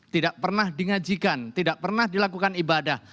tidak pernah di ngajikan tidak pernah dilakukan ibadah